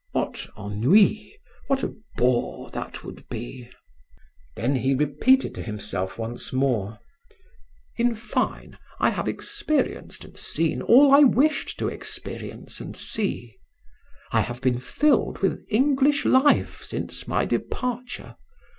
What ennui! What a bore that would be!" Then he repeated to himself once more, "In fine, I have experienced and seen all I wished to experience and see. I have been filled with English life since my departure.